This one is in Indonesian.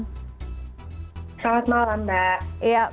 selamat malam mbak